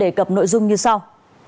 về cập nội dung như sau